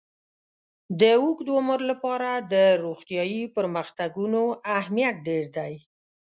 د اوږد عمر لپاره د روغتیايي پرمختګونو اهمیت ډېر دی.